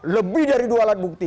lebih dari dua alat bukti